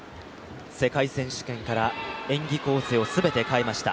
世界選手権から演技構成を全て変えました。